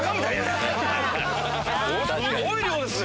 すごい量ですね！